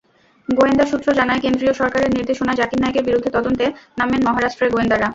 গোয়েন্দা সূত্র জানায়, কেন্দ্রীয় সরকারের নির্দেশনায় জাকির নায়েকের বিরুদ্ধে তদন্তে নামেন মহারাষ্ট্রের গোয়েন্দারা।